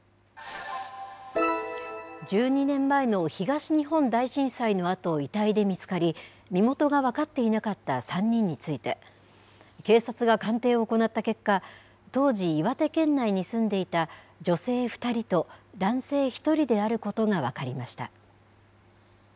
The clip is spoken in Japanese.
１２年前の東日本大震災のあと、遺体で見つかり、身元が分かっていなかった３人について、警察が鑑定を行った結果、当時、岩手県内に住んでいた女性２人と男性１人であることが分かりました。